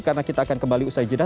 karena kita akan kembali usai jeda